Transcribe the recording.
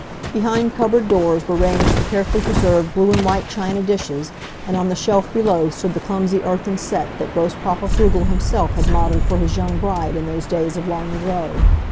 Behind cupboard doors were ranged the carefully preserved blue and white china dishes, and on the shelf below stood the clumsy earthen set that Grosspapa Pflugel himself had modeled for his young bride in those days of long ago.